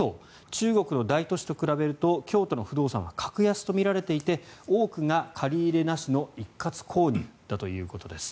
中国の大都市と比べると京都の不動産は格安と見られていて多くが借り入れなしの一括購入だということです。